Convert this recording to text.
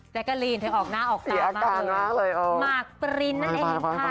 แกกะรีนเธอออกหน้าออกตามากเลยหมากปริ้นนั่นเองค่ะ